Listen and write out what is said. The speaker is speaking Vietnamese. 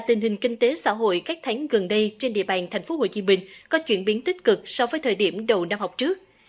tình hình kinh tế xã hội các tháng gần đây trên địa bàn tp hcm có chuyển biến tích cực so với thời điểm đầu năm học trước